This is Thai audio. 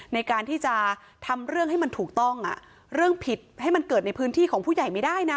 ในการที่จะทำเรื่องให้มันถูกต้องเรื่องผิดให้มันเกิดในพื้นที่ของผู้ใหญ่ไม่ได้นะ